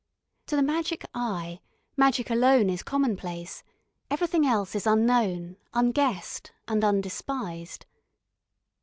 To the magic eye, magic alone is commonplace, everything else is unknown, unguessed, and undespised.